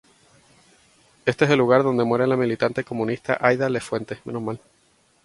En este lugar es dónde muere la militante comunista Aida Lafuente.